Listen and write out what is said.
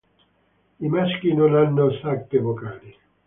I maschi non hanno sacche vocali.